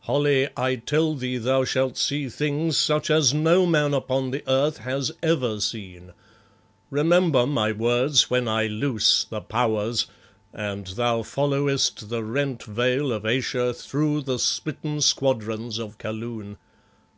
"Holly, I tell thee thou shalt see things such as no man upon the earth has ever seen. Remember my words when I loose the Powers and thou followest the rent veil of Ayesha through the smitten squadrons of Kaloon.